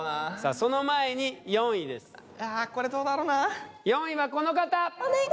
その前に４位ですあこれどうだろうな４位はこの方お願い！